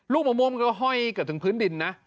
มะม่วงก็ห้อยเกือบถึงพื้นดินนะ